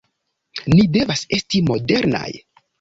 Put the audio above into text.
Ni devas esti modernaj!